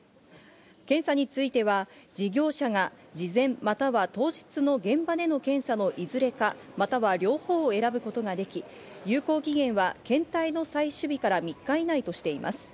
検査については事業者が事前または当日の現場での検査のいずれか、または両方を選ぶことができ、有効期限は検体の採取日から３日以内としています。